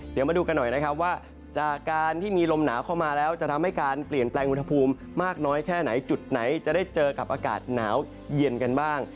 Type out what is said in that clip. เดี๋ยวมาดูกันหน่อยนะครับว่าจากการที่มีลมหนาวเข้ามาแล้วจะทำให้การเปลี่ยนแปลงอุณหภูมิมากน้อยแค่ไหนจุดไหนจะได้เจอกับอากาศหนาวเย็นกันบ้าง